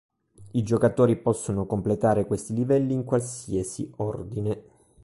I giocatori possono completare questi livelli in qualsiasi ordine.